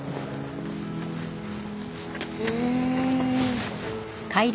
へえ。